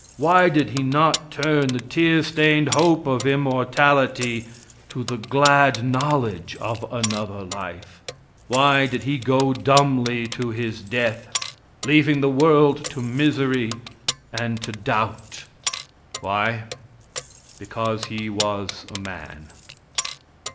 Why did He not turn the tear stained hope of immortality to the glad knowledge of another life? Why did he go dumbly to His death, leaving the world to misery and to doubt? Because He was a man.